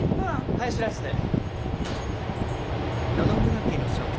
ハヤシライスで。